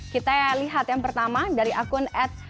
kita lihat yang pertama dari akun ad